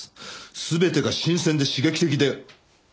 全てが新鮮で刺激的で面白い。